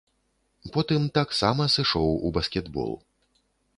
Потым таксама сышоў у баскетбол.